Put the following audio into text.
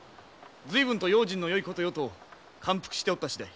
随分と用心のよいことよと感服しておった次第。